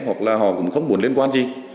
hoặc là họ cũng không muốn liên quan gì